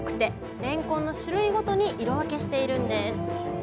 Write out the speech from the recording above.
れんこんの種類ごとに色分けしているんです。